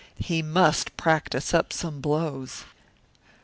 He must practice up some blows.